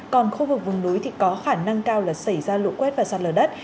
còn khu vực vùng núi thì có khả năng cao là xảy ra lũ quét và sạt lở đất